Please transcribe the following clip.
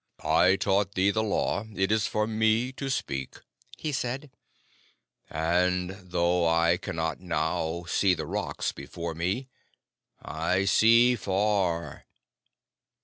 "I taught thee the Law. It is for me to speak," he said; "and, though I cannot now see the rocks before me, I see far.